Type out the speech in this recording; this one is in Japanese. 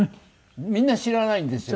みんな知らないんですよ